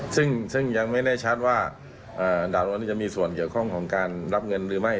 ซึ่งยังไม่แน่ชัดว่าดาบร้อนนี่จะมีส่วนเกี่ยวข้องของการรับเงินหรือไม่